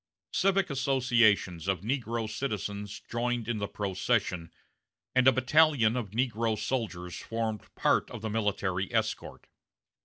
Civic associations of negro citizens joined in the procession, and a battalion of negro soldiers formed part of the military escort.